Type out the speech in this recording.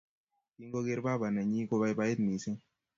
Kingogeer baba nenyi kobaibait mising